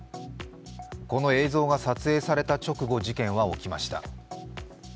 この映像が撮影された直後事件は起きました。